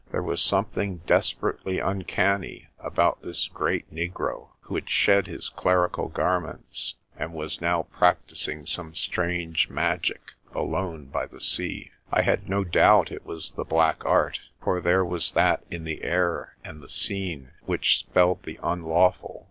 There was something desperately un canny about this great negro, who had shed his clerical garments, and was now practising some strange magic alone by the sea. I had no doubt it was the black art, for there was that in the air and the scene which spelled the unlawful.